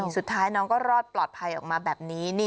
สุดท้ายน้องก็รอดปลอดภัยออกมาแบบนี้